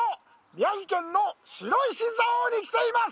宮城県の白石蔵王に来ています！